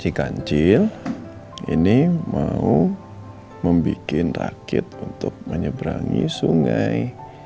si kancil ini mau membuat rakit untuk menyeberangi sungai